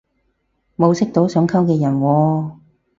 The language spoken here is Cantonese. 冇識到想溝嘅人喎